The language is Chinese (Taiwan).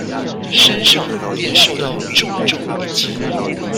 身上便受到重重一擊